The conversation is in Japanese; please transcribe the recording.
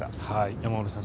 山村さん